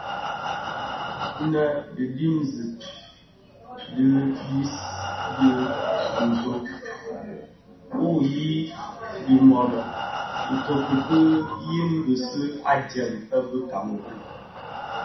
Nnë dhi dimzi di dhiyis di dhi nto u dhid bi dimuloň Itoko ki yin bisuu ntsem fè bi kameroun,